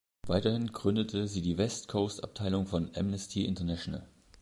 Weiterhin gründete sie die West-Coast-Abteilung von Amnesty International.